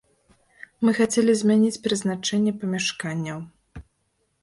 Мы хацелі змяніць прызначэнне памяшканняў.